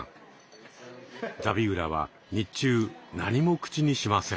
ザビウラは日中何も口にしません。